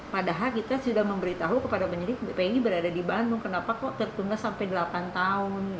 padahal kita sudah memberitahu kepada penyidik pgi berada di bandung kenapa kok tertunda sampai delapan tahun